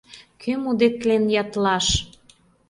Кӧм удетлен ятлаш?